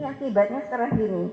ini akibatnya setelah ini